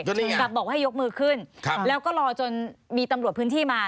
คุณศรีรัตน์บอกว่าให้ยกมือขึ้นแล้วก็รอจนมีตำรวจพื้นที่มา